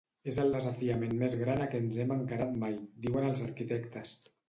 És el desafiament més gran a què ens hem encarat mai, diuen els arquitectes.